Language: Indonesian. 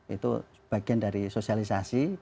itu bagian dari sosialisasi